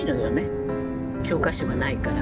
教科書がないから。